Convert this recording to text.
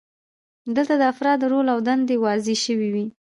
دلته د افرادو رول او دندې واضحې شوې وي.